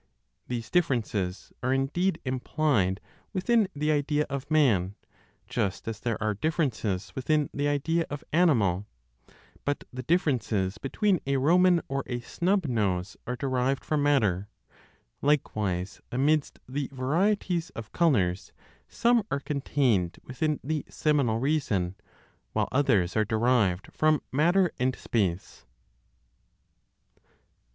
These differences are indeed implied within the idea of man, just as there are differences within the idea of animal. But the differences between a Roman or a snub nose are derived from matter. Likewise, amidst the varieties of colors, some are contained within the seminal reason, while others are derived from matter and space.